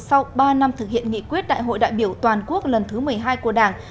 sau ba năm thực hiện nghị quyết đại hội đại biểu toàn quốc lần thứ một mươi hai của đảng